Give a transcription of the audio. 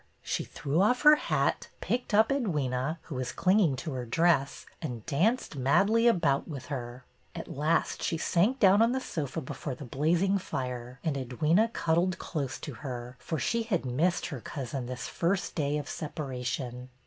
She threw off her hat, picked up Edwyna, who was clinging to her dress, and danced madly about with her. At last she sank down on the sofa before the blazing fire, and Edwyna cuddled close to her, for she had missed her cousin this first day of separation.